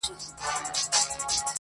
o د خپل کور پير چا ته نه معلومېږي.